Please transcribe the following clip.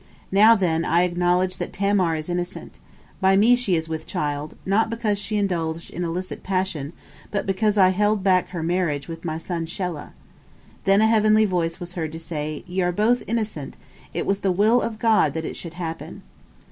Now, then, I acknowledge that Tamar is innocent. By me is she with child, not because she indulged in illicit passion, but because I held back her marriage with my son Shelah." Then a heavenly voice was heard to say: "Ye are both innocent! It was the will of God that it should happen!"